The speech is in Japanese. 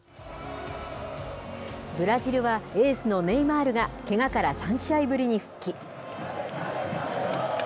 ブラジルは、エースのネイマールが、けがから３試合ぶりに復帰。